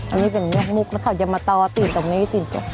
อันนี้เป็นเงือกมุกแล้วเขาจะมาต่อติดตรงนี้ติด